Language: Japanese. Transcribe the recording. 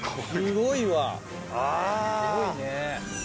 すごいね。